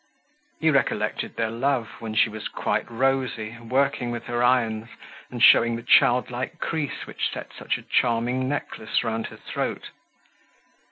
He recollected their love, when she was quite rosy, working with her irons, and showing the child like crease which set such a charming necklace round her throat.